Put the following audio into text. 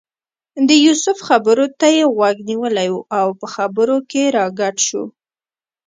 د یوسف خبرو ته یې غوږ نیولی و او په خبرو کې راګډ شو.